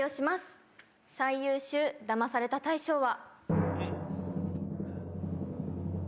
最優秀ダマされた大賞は。